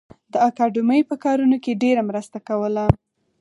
د اکاډمۍ په کارونو کې ډېره مرسته کوله